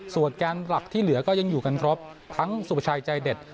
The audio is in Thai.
ส่วนแกนหลักที่เหลือก็ยังอยู่กันครบทั้งสุประชัยใจเด็ด